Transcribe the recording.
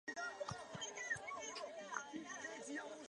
很多大学和学院教授体育管理的本科和硕士课程。